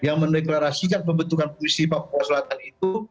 yang mendeklarasikan pembentukan puisi papua selatan itu